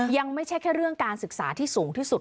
ยังไม่ใช่แค่เรื่องการศึกษาที่สูงที่สุด